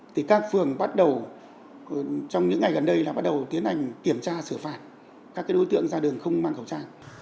thì các phường bắt đầu trong những ngày gần đây là bắt đầu tiến hành kiểm tra xử phạt các đối tượng ra đường không mang khẩu trang